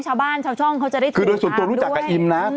ชาวบ้านชาวช่องเขาจะได้เจอคือโดยส่วนตัวรู้จักกับอิมนะ